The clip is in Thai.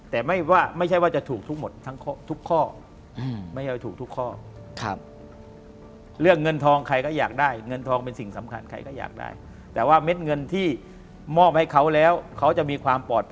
แต่ไม่ใช่ว่าจะถูกทุกหมดทั้งทุกข้อ